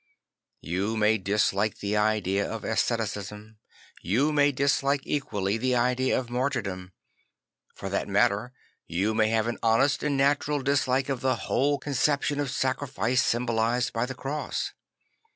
You may dislike the idea of asceticism; you may dislike equally the idea of martyrdom; for that matter you may have an honest and natural dislike of the whole conception of sacrifice symbolised by the cross.